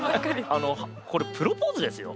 これプロポーズですよ。